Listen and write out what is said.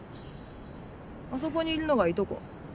あそこにいるのがいとこ。